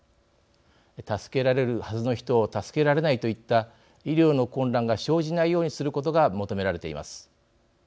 助けられるはずの人を助けられないといった医療の混乱が生じないようにすることが求められています。